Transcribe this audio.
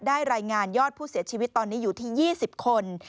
รายงานยอดผู้เสียชีวิตตอนนี้อยู่ที่๒๐คน